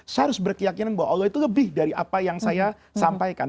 saya harus berkeyakinan bahwa allah itu lebih dari apa yang saya sampaikan